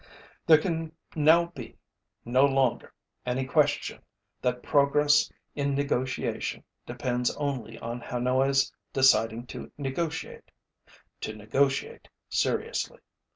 There can now be no longer any question that progress in negotiation depends only on Hanoi Æs deciding to negotiate to negotiate seriously.